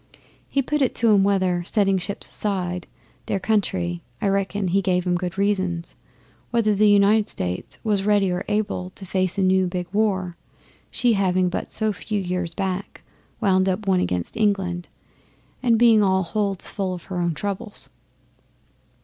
He put it to 'em whether, setting ships aside, their country I reckon he gave 'em good reasons whether the United States was ready or able to face a new big war; she having but so few years back wound up one against England, and being all holds full of her own troubles.